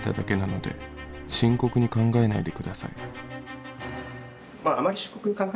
「あまり深刻に考えないでください」。